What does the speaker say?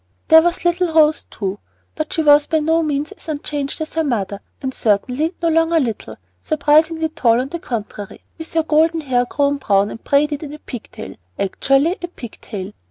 There was little Rose too, but she was by no means so unchanged as her mother, and certainly no longer little, surprisingly tall on the contrary, with her golden hair grown brown and braided in a pig tail, actually a pig tail.